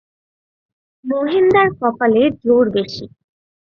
মহিনদার কপালের জোর বেশি।